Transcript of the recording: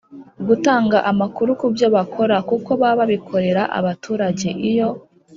gutanga amakuru ku byo bakora kuko baba babikorera abaturage. iyo